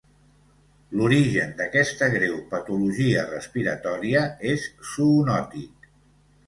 L'origen d'aquesta greu patologia respiratòria és zoonòtic.